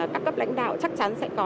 các cấp lãnh đạo chắc chắn sẽ có